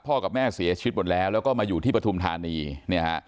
กับแม่เสียชีวิตหมดแล้วแล้วก็มาอยู่ที่ปฐุมธานีเนี่ยฮะ